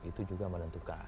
itu juga menentukan